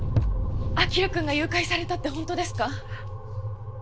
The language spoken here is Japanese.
輝くんが誘拐されたって本当ですか？